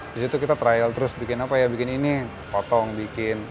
di situ kita trial terus bikin apa ya bikin ini potong bikin